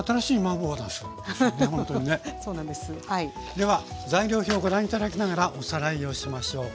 では材料表をご覧頂きながらおさらいをしましょう。